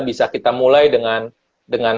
bisa kita mulai dengan